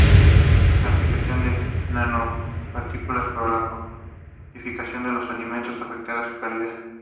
La aplicación de nanopartículas para la fortificación de alimentos no afectaría su calidad.